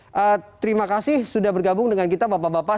terima kasih sudah bergabung dengan kita bapak bapak